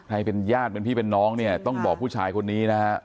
เป็นญาติเป็นพี่เป็นน้องเนี่ยต้องบอกผู้ชายคนนี้นะฮะ